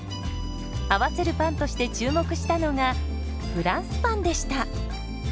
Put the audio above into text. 合わせるパンとして注目したのがフランスパンでした。